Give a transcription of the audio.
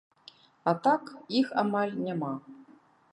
А так іх амаль няма.